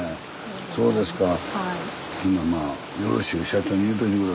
そうですかほな